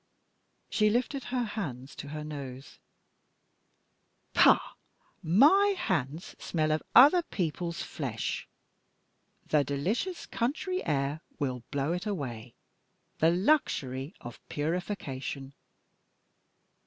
She lifted her hands to her nose. "Pah! my hands smell of other people's flesh. The delicious country air will blow it away the luxury of purification!"